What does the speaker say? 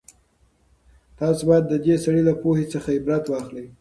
تاسو بايد د دې سړي له پوهې څخه عبرت واخلئ.